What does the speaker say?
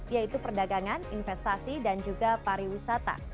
yaitu perdagangan investasi dan juga pariwisata